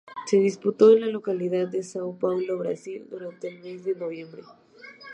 Se disputo en la localidad de São Paulo, Brasil, durante el mes de noviembre.